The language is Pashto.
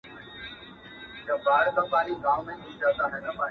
يو په يو يې لوڅېدله اندامونه٫